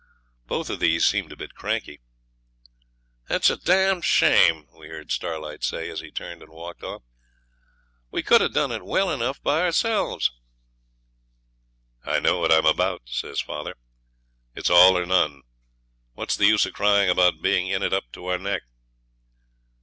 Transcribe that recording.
Both of these seemed a bit cranky. 'It's a d shame,' we heard Starlight say, as he turned and walked off. 'We could have done it well enough by ourselves.' 'I know what I'm about,' says father, 'it's all or none. What's the use of crying after being in it up to our neck?'